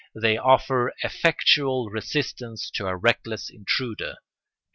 They offer effectual resistance to a reckless intruder.